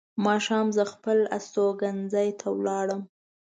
ماښام زه خپل استوګنځي ته ولاړم.